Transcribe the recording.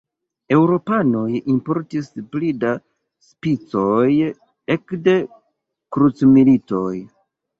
Eŭropanoj importis pli da spicoj ekde krucmilitoj.